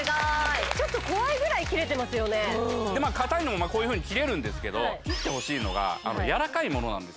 ちょっとまあ硬いのもこういうふうに切れるんですけど切ってほしいのがやわらかいものなんです